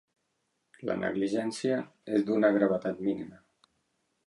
La negligència és d'una gravetat mínima.